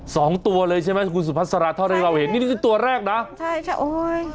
สองตัวเลยใช่ไหมคุณสุพัสราเท่าที่เราเห็นนี่นี่คือตัวแรกนะใช่ค่ะโอ้ย